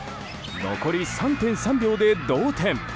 残り３．３秒で同点。